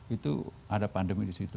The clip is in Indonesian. itu ada pandemi di situ